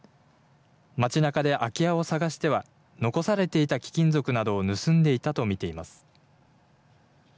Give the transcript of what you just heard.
街なかで空き家を探しては、残されていた貴金属などを盗んでいたと見ています。